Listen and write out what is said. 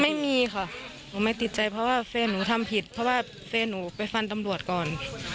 ไม่มีค่ะหนูไม่ติดใจเพราะว่าแฟนหนูทำผิดเพราะว่าแฟนหนูไปฟันตำรวจก่อน